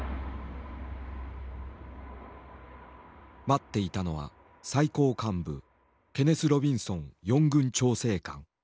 待っていたのは最高幹部ケネス・ロビンソン四軍調整官。